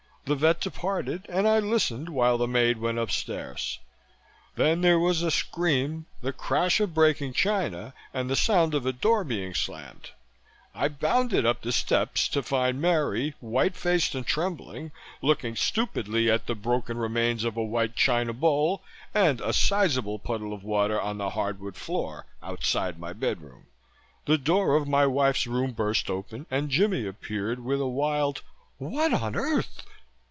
The vet departed and I listened while the maid went upstairs. Then there was a scream, the crash of breaking china and the sound of a door being slammed. I bounded up the steps to find Mary, white faced and trembling, looking stupidly at the broken remains of a white china bowl and a sizeable puddle of water on the hardwood floor outside my bedroom. The door of my wife's room burst open and Jimmie appeared with a wild "What on earth!"